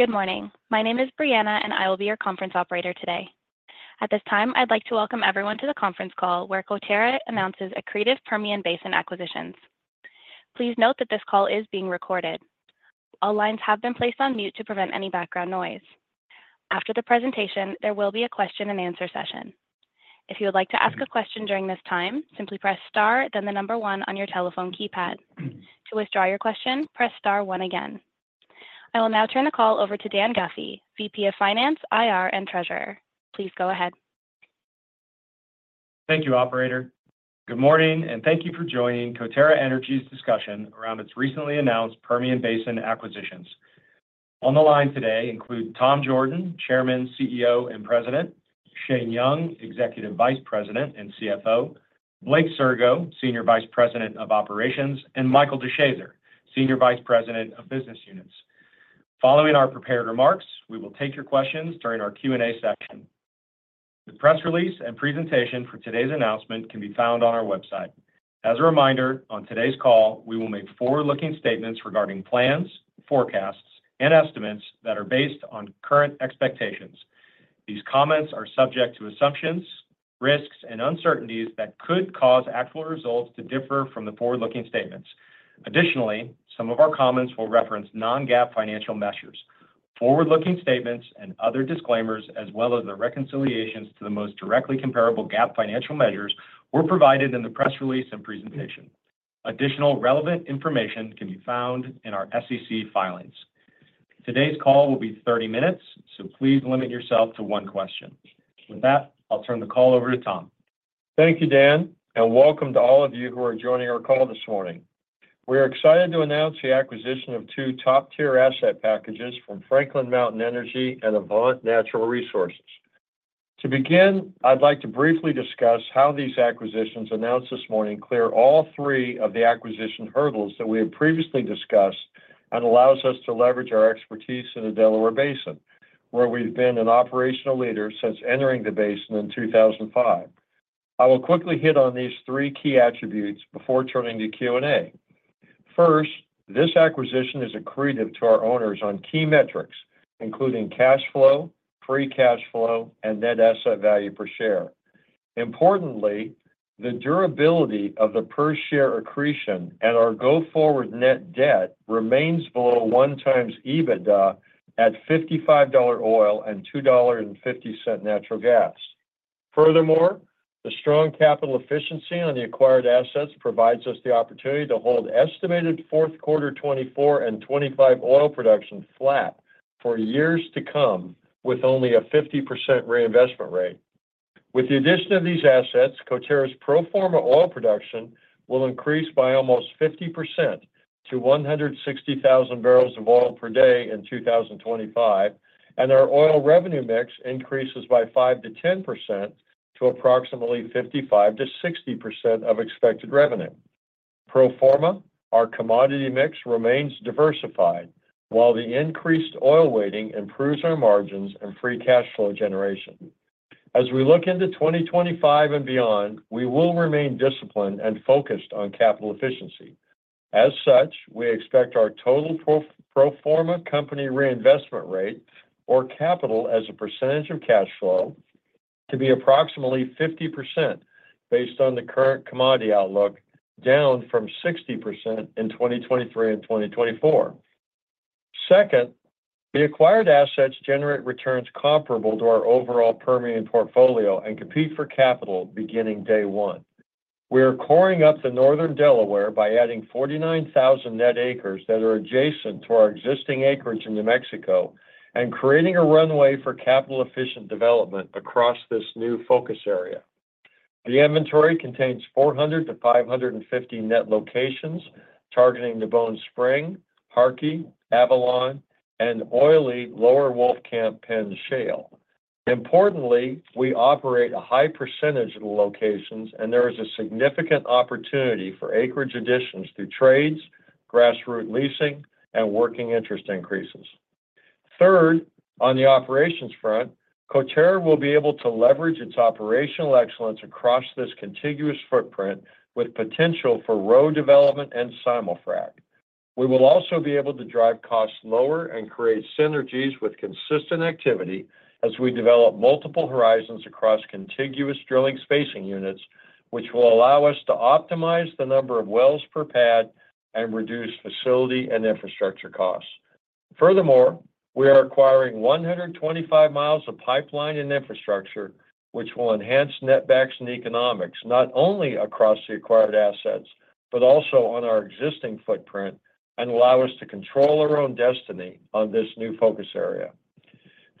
Good morning. My name is Brianna and I will be your conference operator today. At this time, I'd like to welcome everyone to the conference call where Coterra announces accretive Permian Basin acquisitions. Please note that this call is being recorded. All lines have been placed on mute to prevent any background noise. After the presentation, there will be a question-and-answer session. If you would like to ask a question during this time, simply press star, then the number one on your telephone keypad. To withdraw your question, press star one again. I will now turn the call over to Dan Guffey, VP of Finance, IR, and Treasurer. Please go ahead. Thank you, Operator. Good morning and thank you for joining Coterra Energy's discussion around its recently announced Permian Basin acquisitions. On the line today include Tom Jorden, Chairman, CEO, and President, Shane Young, Executive Vice President and CFO, Blake Sirgo, Senior Vice President of Operations, and Michael DeShazer, Senior Vice President of Business Units. Following our prepared remarks, we will take your questions during our Q&A session. The press release and presentation for today's announcement can be found on our website. As a reminder, on today's call, we will make forward-looking statements regarding plans, forecasts, and estimates that are based on current expectations. These comments are subject to assumptions, risks, and uncertainties that could cause actual results to differ from the forward-looking statements. Additionally, some of our comments will reference non-GAAP financial measures. Forward-looking statements and other disclaimers, as well as the reconciliations to the most directly comparable GAAP financial measures, were provided in the press release and presentation. Additional relevant information can be found in our SEC filings. Today's call will be 30 minutes, so please limit yourself to one question. With that, I'll turn the call over to Tom. Thank you, Dan, and welcome to all of you who are joining our call this morning. We are excited to announce the acquisition of two top-tier asset packages from Franklin Mountain Energy and Avant Natural Resources. To begin, I'd like to briefly discuss how these acquisitions announced this morning clear all three of the acquisition hurdles that we have previously discussed and allows us to leverage our expertise in the Delaware Basin, where we've been an operational leader since entering the basin in 2005. I will quickly hit on these three key attributes before turning to Q&A. First, this acquisition is accretive to our owners on key metrics, including cash flow, free cash flow, and net asset value per share. Importantly, the durability of the per-share accretion and our go-forward net debt remains below one times EBITDA at $55 oil and $2.50 natural gas. Furthermore, the strong capital efficiency on the acquired assets provides us the opportunity to hold estimated fourth quarter 2024 and 2025 oil production flat for years to come with only a 50% reinvestment rate. With the addition of these assets, Coterra's pro forma oil production will increase by almost 50% to 160,000 barrels of oil per day in 2025, and our oil revenue mix increases by 5%-10% to approximately 55%-60% of expected revenue. Pro forma, our commodity mix remains diversified, while the increased oil weighting improves our margins and free cash flow generation. As we look into 2025 and beyond, we will remain disciplined and focused on capital efficiency. As such, we expect our total pro forma company reinvestment rate, or capital as a percentage of cash flow, to be approximately 50% based on the current commodity outlook, down from 60% in 2023 and 2024. Second, the acquired assets generate returns comparable to our overall Permian portfolio and compete for capital beginning day one. We are coring up the northern Delaware by adding 49,000 net acres that are adjacent to our existing acreage in New Mexico and creating a runway for capital-efficient development across this new focus area. The inventory contains 400-550 net locations targeting the Bone Spring, Harkey, Avalon, and oily Lower Wolfcamp Penn Shale. Importantly, we operate a high percentage of the locations, and there is a significant opportunity for acreage additions through trades, grassroot leasing, and working interest increases. Third, on the operations front, Coterra will be able to leverage its operational excellence across this contiguous footprint with potential for row development and simul-frac. We will also be able to drive costs lower and create synergies with consistent activity as we develop multiple horizons across contiguous drilling spacing units, which will allow us to optimize the number of wells per pad and reduce facility and infrastructure costs. Furthermore, we are acquiring 125 miles of pipeline and infrastructure, which will enhance netback economics not only across the acquired assets but also on our existing footprint and allow us to control our own destiny on this new focus area.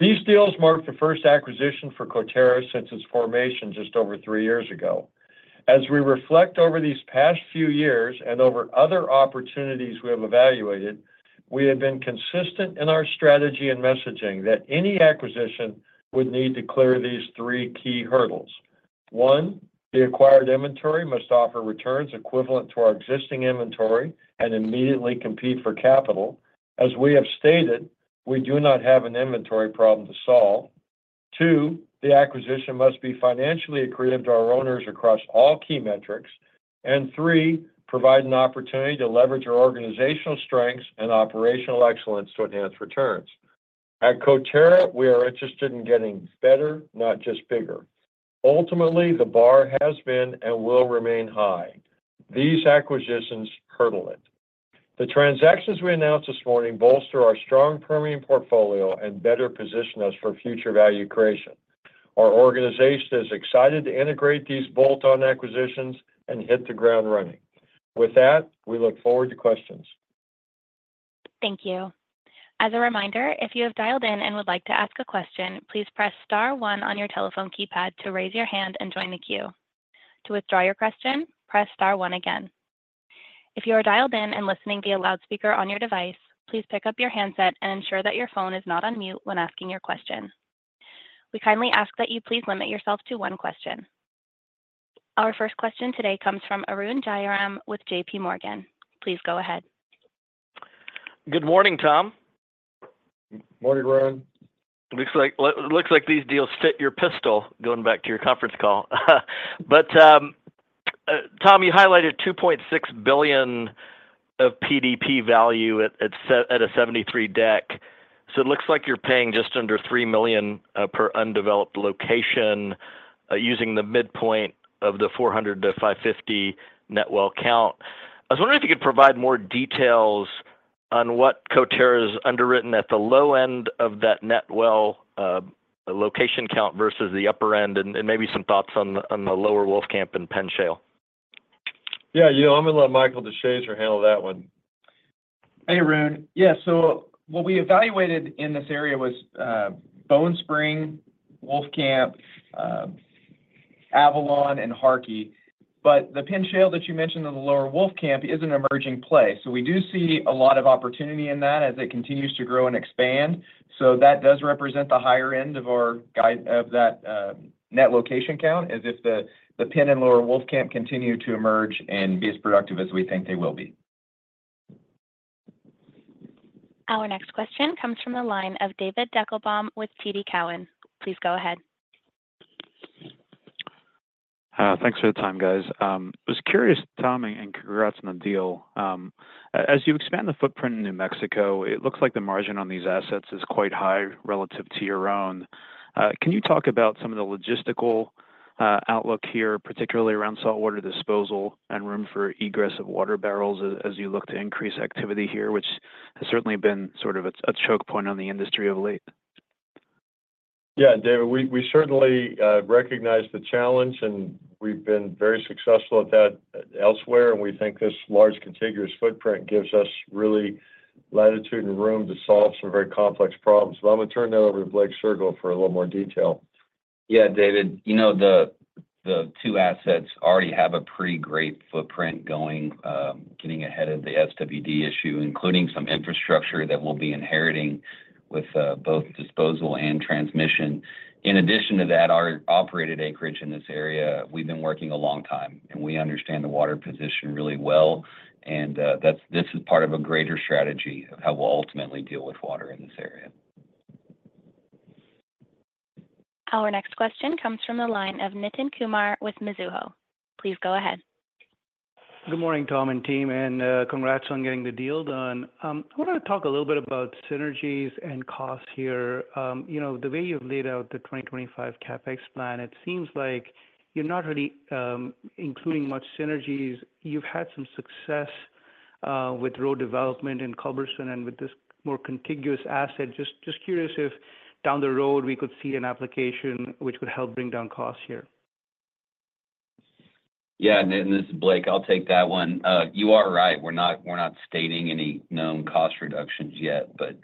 These deals mark the first acquisition for Coterra since its formation just over three years ago. As we reflect over these past few years and over other opportunities we have evaluated, we have been consistent in our strategy and messaging that any acquisition would need to clear these three key hurdles. One, the acquired inventory must offer returns equivalent to our existing inventory and immediately compete for capital. As we have stated, we do not have an inventory problem to solve. Two, the acquisition must be financially accretive to our owners across all key metrics. And three, provide an opportunity to leverage our organizational strengths and operational excellence to enhance returns. At Coterra, we are interested in getting better, not just bigger. Ultimately, the bar has been and will remain high. These acquisitions hurdle it. The transactions we announced this morning bolster our strong Permian portfolio and better position us for future value creation. Our organization is excited to integrate these bolt-on acquisitions and hit the ground running. With that, we look forward to questions. Thank you. As a reminder, if you have dialed in and would like to ask a question, please press star one on your telephone keypad to raise your hand and join the queue. To withdraw your question, press star one again. If you are dialed in and listening via loudspeaker on your device, please pick up your handset and ensure that your phone is not on mute when asking your question. We kindly ask that you please limit yourself to one question. Our first question today comes from Arun Jayaram with JPMorgan. Please go ahead. Good morning, Tom. Morning, Arun. Looks like these deals fit your profile going back to your conference call. But Tom, you highlighted $2.6 billion of PDP value at a $70/$3 deck. So it looks like you're paying just under $3 million per undeveloped location using the midpoint of the 400-550 net well count. I was wondering if you could provide more details on what Coterra is underwritten at the low end of that net well location count versus the upper end and maybe some thoughts on the Lower Wolfcamp and Penn Shale. Yeah, I'm going to let Michael DeShazer handle that one. Hey, Arun. Yeah, so what we evaluated in this area was Bone Spring, Wolfcamp, Avalon, and Harkey. But the Penn Shale that you mentioned in the Lower Wolfcamp is an emerging play. So we do see a lot of opportunity in that as it continues to grow and expand. So that does represent the higher end of that net location count as if the Penn and Lower Wolfcamp continue to emerge and be as productive as we think they will be. Our next question comes from the line of David Deckelbaum with TD Cowen. Please go ahead. Thanks for the time, guys. I was curious, Tom, and congrats on the deal. As you expand the footprint in New Mexico, it looks like the margin on these assets is quite high relative to your own. Can you talk about some of the logistical outlook here, particularly around saltwater disposal and room for egress of water barrels as you look to increase activity here, which has certainly been sort of a choke point on the industry of late? Yeah, David, we certainly recognize the challenge, and we've been very successful at that elsewhere, and we think this large contiguous footprint gives us really latitude and room to solve some very complex problems, but I'm going to turn that over to Blake Sirgo for a little more detail. Yeah, David, you know the two assets already have a pretty great footprint going, getting ahead of the SWD issue, including some infrastructure that we'll be inheriting with both disposal and transmission. In addition to that, our operated acreage in this area, we've been working a long time, and we understand the water position really well. And this is part of a greater strategy of how we'll ultimately deal with water in this area. Our next question comes from the line of Nitin Kumar with Mizuho. Please go ahead. Good morning, Tom and team, and congrats on getting the deal done. I want to talk a little bit about synergies and costs here. The way you've laid out the 2025 CapEx plan, it seems like you're not really including much synergies. You've had some success with row development in Culberson and with this more contiguous asset. Just curious if down the road we could see an application which would help bring down costs here. Yeah, Nitin, this is Blake. I'll take that one. You are right. We're not stating any known cost reductions yet, but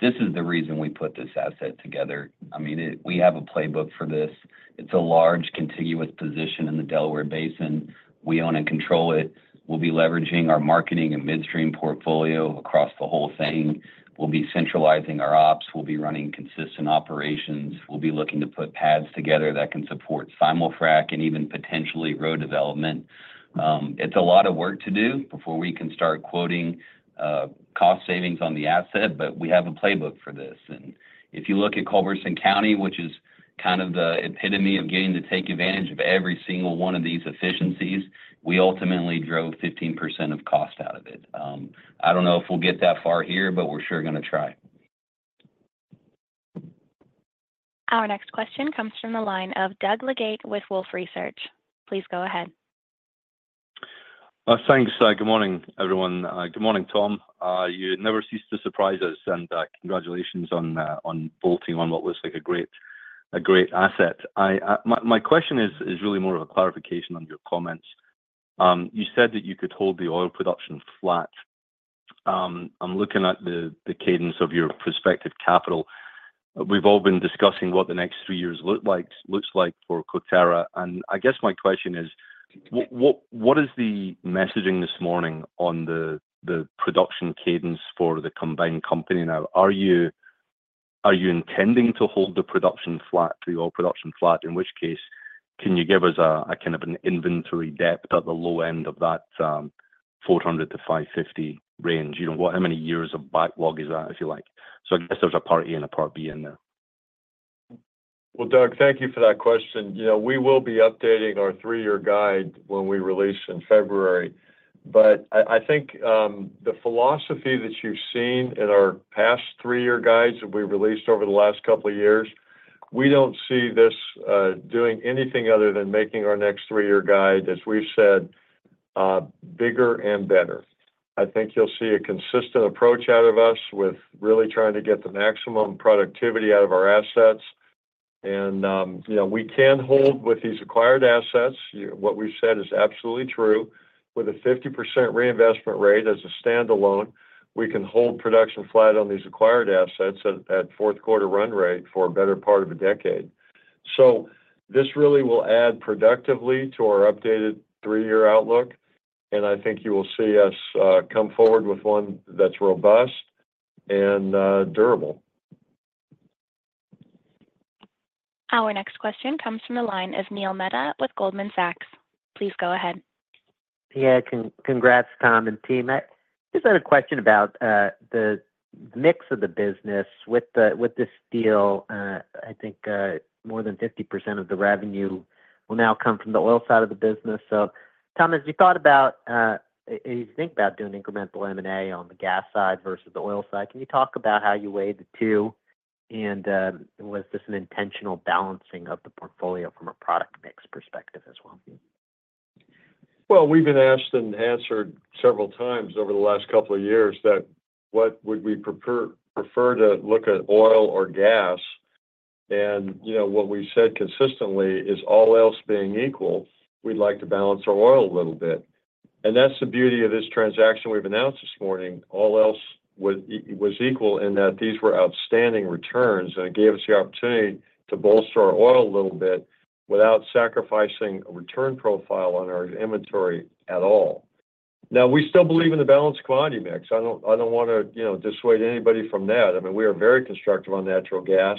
this is the reason we put this asset together. I mean, we have a playbook for this. It's a large contiguous position in the Delaware Basin. We own and control it. We'll be leveraging our marketing and midstream portfolio across the whole thing. We'll be centralizing our ops. We'll be running consistent operations. We'll be looking to put pads together that can support simul-frac and even potentially row development. It's a lot of work to do before we can start quoting cost savings on the asset, but we have a playbook for this. If you look at Culberson County, which is kind of the epitome of getting to take advantage of every single one of these efficiencies, we ultimately drove 15% of cost out of it. I don't know if we'll get that far here, but we're sure going to try. Our next question comes from the line of Doug Legate with Wolfe Research. Please go ahead. Thanks. Good morning, everyone. Good morning, Tom. You never cease to surprise us, and congratulations on bolting on what looks like a great asset. My question is really more of a clarification on your comments. You said that you could hold the oil production flat. I'm looking at the cadence of your prospective capital. We've all been discussing what the next three years looks like for Coterra. And I guess my question is, what is the messaging this morning on the production cadence for the combined company now? Are you intending to hold the production flat, the oil production flat? In which case, can you give us a kind of an inventory depth at the low end of that 400-550 range? How many years of backlog is that, if you like? So I guess there's a part A and a part B in there. Well, Doug, thank you for that question. We will be updating our three-year guide when we release in February. But I think the philosophy that you've seen in our past three-year guides that we released over the last couple of years, we don't see this doing anything other than making our next three-year guide, as we've said, bigger and better. I think you'll see a consistent approach out of us with really trying to get the maximum productivity out of our assets. And we can hold with these acquired assets. What we've said is absolutely true. With a 50% reinvestment rate as a standalone, we can hold production flat on these acquired assets at fourth quarter run rate for a better part of a decade. So this really will add productively to our updated three-year outlook. I think you will see us come forward with one that's robust and durable. Our next question comes from the line of Neil Mehta with Goldman Sachs. Please go ahead. Yeah, congrats, Tom and team. Just had a question about the mix of the business with this deal. I think more than 50% of the revenue will now come from the oil side of the business. So Tom, as you thought about, as you think about doing incremental M&A on the gas side versus the oil side, can you talk about how you weigh the two? And was this an intentional balancing of the portfolio from a product mix perspective as well? Well, we've been asked and answered several times over the last couple of years that what would we prefer to look at, oil or gas? And what we said consistently is all else being equal, we'd like to balance our oil a little bit. And that's the beauty of this transaction we've announced this morning. All else was equal in that these were outstanding returns, and it gave us the opportunity to bolster our oil a little bit without sacrificing a return profile on our inventory at all. Now, we still believe in the balanced commodity mix. I don't want to dissuade anybody from that. I mean, we are very constructive on natural gas.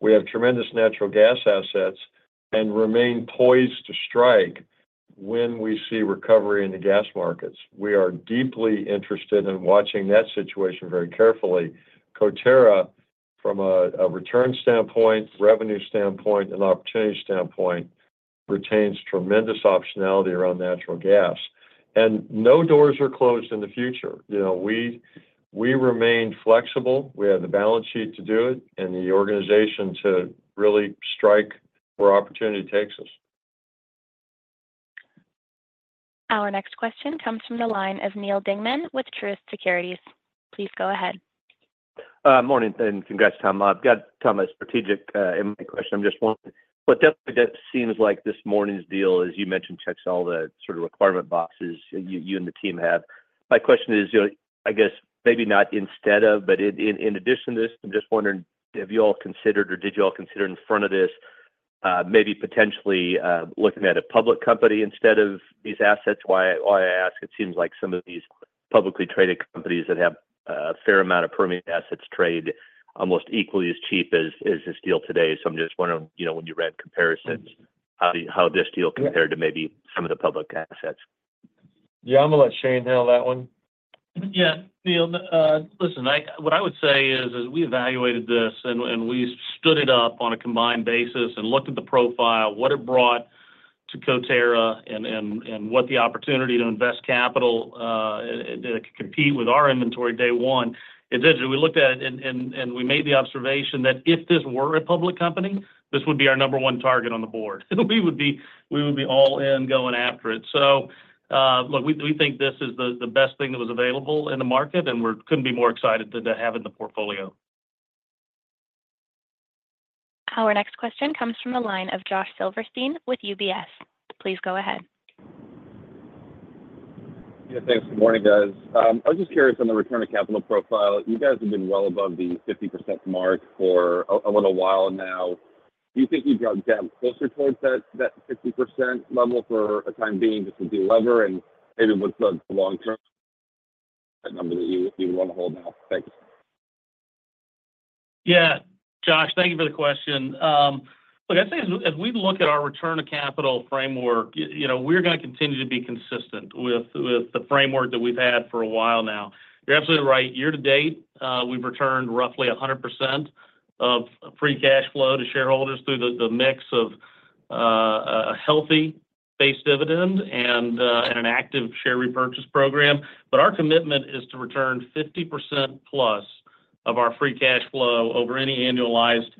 We have tremendous natural gas assets and remain poised to strike when we see recovery in the gas markets. We are deeply interested in watching that situation very carefully. Coterra, from a return standpoint, revenue standpoint, and opportunity standpoint, retains tremendous optionality around natural gas. And no doors are closed in the future. We remain flexible. We have the balance sheet to do it and the organization to really strike where opportunity takes us. Our next question comes from the line of Neal Dingmann with Truist Securities. Please go ahead. Morning, and congrats, Tom. I've got kind of a strategic question. I'm just wondering, what definitely seems like this morning's deal, as you mentioned, checks all the sort of requirement boxes you and the team have. My question is, I guess maybe not instead of, but in addition to this, I'm just wondering, have you all considered or did you all consider in front of this maybe potentially looking at a public company instead of these assets? Why I ask, it seems like some of these publicly traded companies that have a fair amount of Permian assets trade almost equally as cheap as this deal today. So I'm just wondering when you read comparisons, how this deal compared to maybe some of the public assets. Yeah, I'm going to let Shane handle that one. Yeah, Neil, listen, what I would say is we evaluated this and we stood it up on a combined basis and looked at the profile, what it brought to Coterra and what the opportunity to invest capital to compete with our inventory day one. Essentially, we looked at it and we made the observation that if this were a public company, this would be our number one target on the board. We would be all in going after it. So look, we think this is the best thing that was available in the market, and we couldn't be more excited to have it in the portfolio. Our next question comes from the line of Josh Silverstein with UBS. Please go ahead. Yeah, thanks. Good morning, guys. I was just curious on the return of capital profile. You guys have been well above the 50% mark for a little while now. Do you think you'd rather tap closer towards that 50% level for a time being just to deliver and maybe with the long-term number that you want to hold now? Thanks. Yeah, Josh, thank you for the question. Look, I'd say as we look at our return to capital framework, we're going to continue to be consistent with the framework that we've had for a while now. You're absolutely right. Year to date, we've returned roughly 100% of free cash flow to shareholders through the mix of a healthy base dividend and an active share repurchase program. But our commitment is to return 50% plus of our free cash flow over any annualized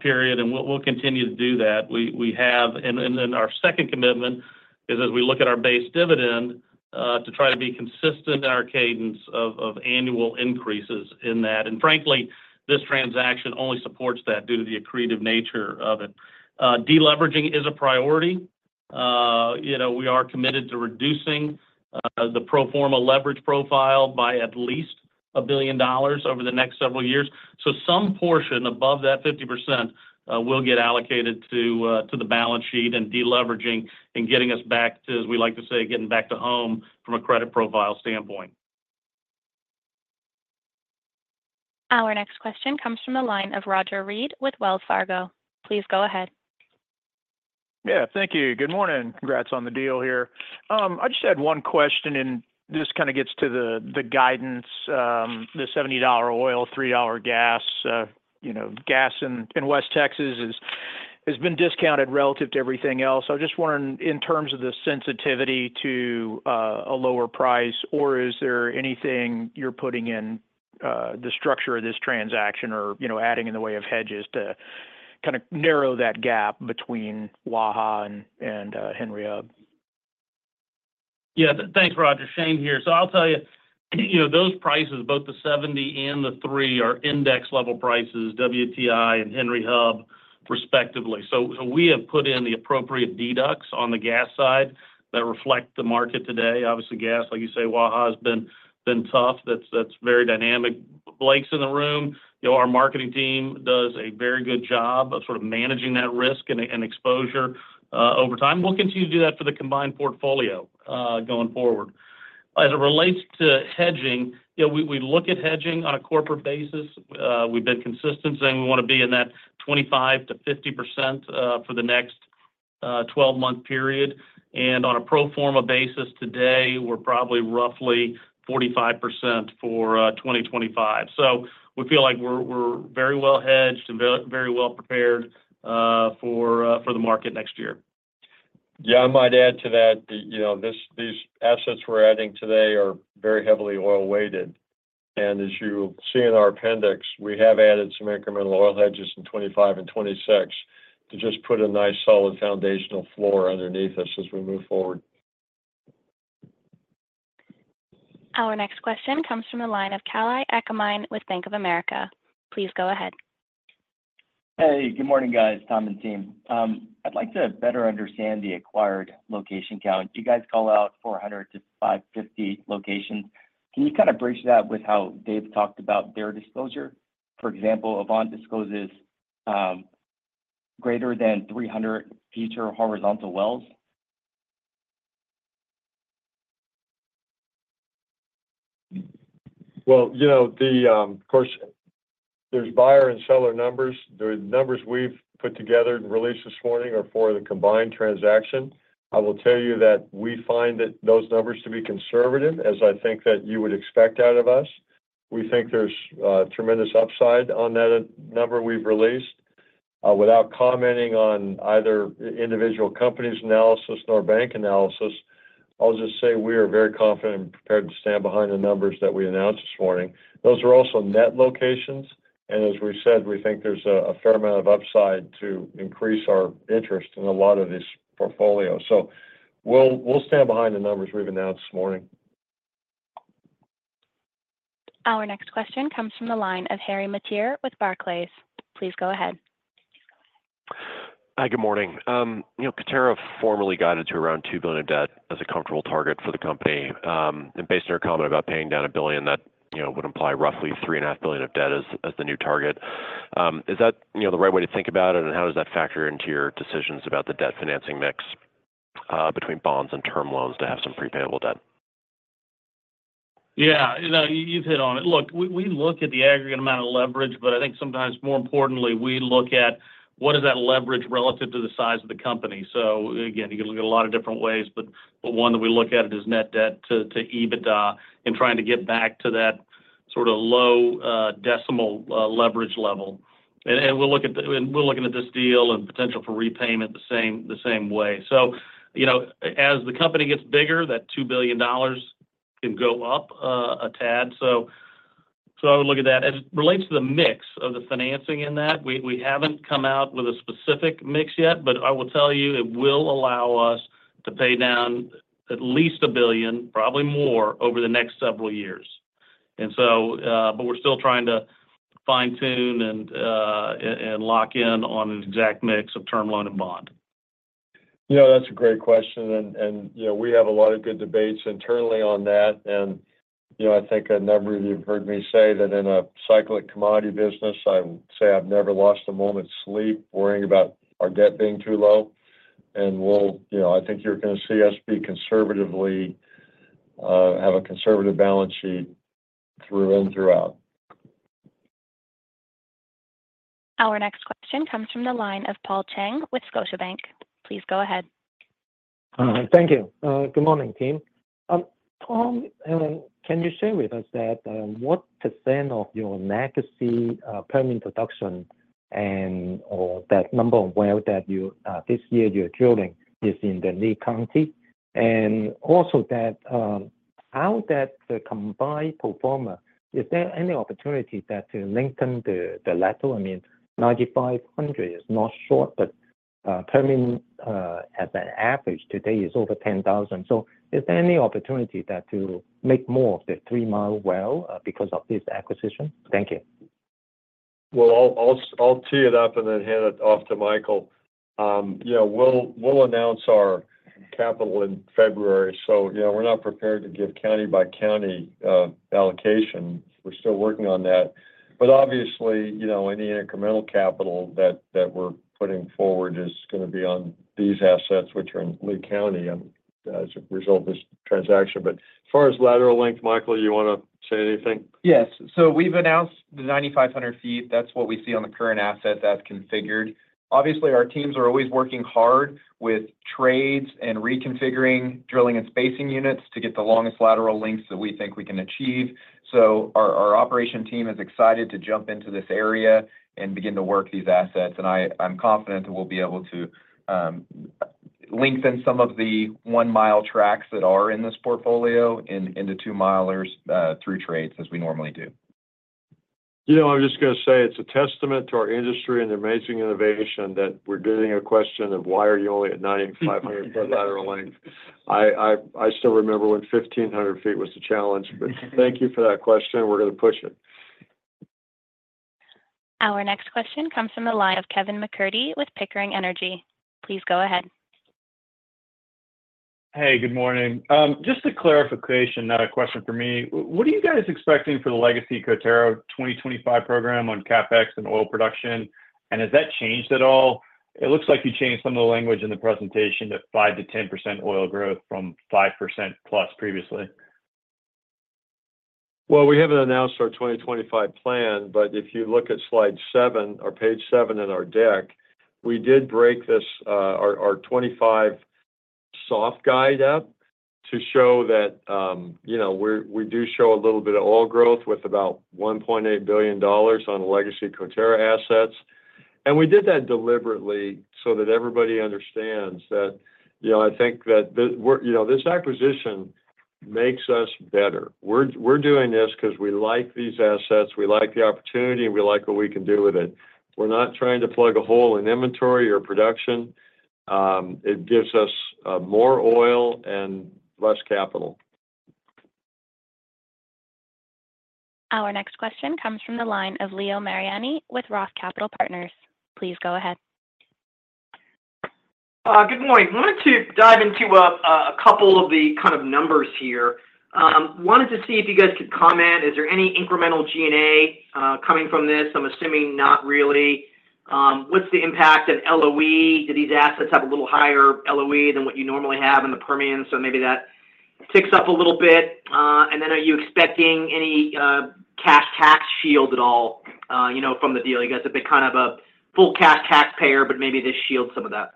period, and we'll continue to do that. And then our second commitment is, as we look at our base dividend, to try to be consistent in our cadence of annual increases in that. And frankly, this transaction only supports that due to the accretive nature of it. Deleveraging is a priority. We are committed to reducing the pro forma leverage profile by at least $1 billion over the next several years. So some portion above that 50% will get allocated to the balance sheet and deleveraging and getting us back to, as we like to say, getting back to home from a credit profile standpoint. Our next question comes from the line of Roger Read with Wells Fargo. Please go ahead. Yeah, thank you. Good morning. Congrats on the deal here. I just had one question, and this kind of gets to the guidance. The $70 oil, $3 gas in West Texas has been discounted relative to everything else. I was just wondering, in terms of the sensitivity to a lower price, or is there anything you're putting in the structure of this transaction or adding in the way of hedges to kind of narrow that gap between Waha and Henry Hub? Yeah, thanks, Roger. Shane here. So I'll tell you, those prices, both the 70 and the 3, are index level prices, WTI and Henry Hub, respectively. So we have put in the appropriate deducts on the gas side that reflect the market today. Obviously, gas, like you say, Waha has been tough. That's very dynamic. Blake's in the room. Our marketing team does a very good job of sort of managing that risk and exposure over time. We'll continue to do that for the combined portfolio going forward. As it relates to hedging, we look at hedging on a corporate basis. We've been consistent saying we want to be in that 25%-50% for the next 12-month period. And on a pro forma basis today, we're probably roughly 45% for 2025. So we feel like we're very well hedged and very well prepared for the market next year. Yeah, I might add to that. These assets we're adding today are very heavily oil-weighted. And as you'll see in our appendix, we have added some incremental oil hedges in 2025 and 2026 to just put a nice solid foundational floor underneath us as we move forward. Our next question comes from the line of Kalei Akamine with Bank of America. Please go ahead. Hey, good morning, guys, Tom and team. I'd like to better understand the acquired location count. You guys call out 400-550 locations. Can you kind of bridge that with how they've talked about their disclosure? For example, Avant discloses greater than 300 future horizontal wells. Of course, there's buyer and seller numbers. The numbers we've put together and released this morning are for the combined transaction. I will tell you that we find those numbers to be conservative, as I think that you would expect out of us. We think there's tremendous upside on that number we've released. Without commenting on either individual company's analysis nor bank analysis, I'll just say we are very confident and prepared to stand behind the numbers that we announced this morning. Those are also net locations. As we said, we think there's a fair amount of upside to increase our interest in a lot of these portfolios. We'll stand behind the numbers we've announced this morning. Our next question comes from the line of Harry Mateer with Barclays. Please go ahead. Hi, good morning. Coterra formerly guided to around $2 billion of debt as a comfortable target for the company, and based on your comment about paying down $1 billion, that would imply roughly $3.5 billion of debt as the new target. Is that the right way to think about it, and how does that factor into your decisions about the debt financing mix between bonds and term loans to have some prepayable debt? Yeah, you've hit on it. Look, we look at the aggregate amount of leverage, but I think sometimes, more importantly, we look at what is that leverage relative to the size of the company. So again, you can look at a lot of different ways, but one that we look at is net debt to EBITDA and trying to get back to that sort of low decimal leverage level. And we're looking at this deal and potential for repayment the same way. So as the company gets bigger, that $2 billion can go up a tad. So I would look at that. As it relates to the mix of the financing in that, we haven't come out with a specific mix yet, but I will tell you it will allow us to pay down at least $1 billion, probably more, over the next several years. But we're still trying to fine-tune and lock in on an exact mix of term loan and bond. Yeah, that's a great question. And we have a lot of good debates internally on that. And I think a number of you have heard me say that in a cyclical commodity business, I would say I've never lost a moment's sleep worrying about our debt being too low. And I think you're going to see us have a conservative balance sheet throughout. Our next question comes from the line of Paul Cheng with Scotiabank. Please go ahead. Thank you. Good morning, team. Tom, can you share with us what % of your legacy Permian production and that number of wells that this year you're drilling is in the Lea County? And also how that combined pro forma, is there any opportunity to lengthen the ladder? I mean, 9,500 is not short, but Permian as an average today is over 10,000. So is there any opportunity to make more of the three-mile well because of this acquisition? Thank you. I'll tee it up and then hand it off to Michael. We'll announce our capital in February. We're not prepared to give county-by-county allocation. We're still working on that. Obviously, any incremental capital that we're putting forward is going to be on these assets, which are in Lea County as a result of this transaction. As far as lateral length, Michael, you want to say anything? Yes. So we've announced the 9,500 ft. That's what we see on the current asset that's configured. Obviously, our teams are always working hard with trades and reconfiguring drilling and spacing units to get the longest lateral lengths that we think we can achieve. So our operations team is excited to jump into this area and begin to work these assets. And I'm confident that we'll be able to lengthen some of the one-mile tracts that are in this portfolio into two-milers through trades as we normally do. I'm just going to say it's a testament to our industry and the amazing innovation that we're getting a question of, "Why are you only at 9,500 per ladder length?" I still remember when 1,500 ft was the challenge. But thank you for that question. We're going to push it. Our next question comes from the line of Kevin MacCurdy with Pickering Energy. Please go ahead. Hey, good morning. Just a clarification, not a question for me. What are you guys expecting for the legacy Coterra 2025 program on CapEx and oil production? And has that changed at all? It looks like you changed some of the language in the presentation to 5%-10% oil growth from 5% plus previously. We haven't announced our 2025 plan, but if you look at slide 7 or page 7 in our deck, we did break our 2025 soft guide up to show that we do show a little bit of oil growth with about $1.8 billion on legacy Coterra assets. We did that deliberately so that everybody understands that I think that this acquisition makes us better. We're doing this because we like these assets. We like the opportunity, and we like what we can do with it. We're not trying to plug a hole in inventory or production. It gives us more oil and less capital. Our next question comes from the line of Leo Mariani with Roth Capital Partners. Please go ahead. Good morning. I wanted to dive into a couple of the kind of numbers here. Wanted to see if you guys could comment. Is there any incremental G&A coming from this? I'm assuming not really. What's the impact of LOE? Do these assets have a little higher LOE than what you normally have in the Permian? So maybe that ticks up a little bit, and then are you expecting any cash tax shield at all from the deal? You guys have been kind of a full cash taxpayer, but maybe this shields some of that.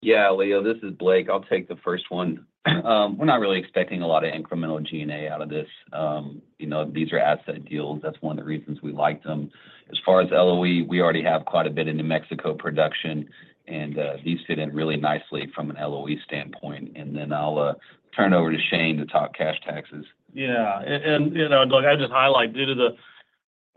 Yeah, Leo, this is Blake. I'll take the first one. We're not really expecting a lot of incremental G&A out of this. These are asset deals. That's one of the reasons we liked them. As far as LOE, we already have quite a bit in New Mexico production, and these fit in really nicely from an LOE standpoint. And then I'll turn it over to Shane to talk cash taxes. Yeah. And I'd just highlight due to the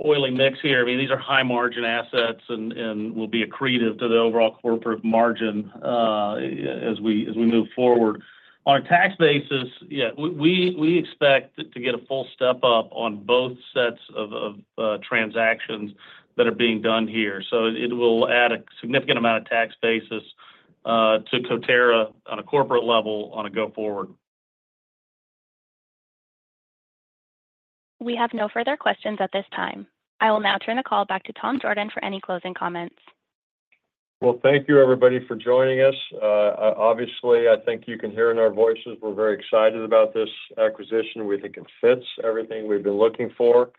oily mix here, I mean, these are high-margin assets and will be accretive to the overall corporate margin as we move forward. On a tax basis, yeah, we expect to get a full step up on both sets of transactions that are being done here. So it will add a significant amount of tax basis to Coterra on a corporate level on a go-forward. We have no further questions at this time. I will now turn the call back to Tom Jorden for any closing comments. Thank you, everybody, for joining us. Obviously, I think you can hear in our voices we're very excited about this acquisition. We think it fits everything we've been looking for,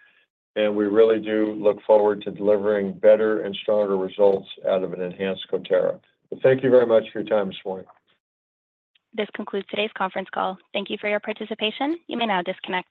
and we really do look forward to delivering better and stronger results out of an enhanced Coterra. Thank you very much for your time this morning. This concludes today's conference call. Thank you for your participation. You may now disconnect.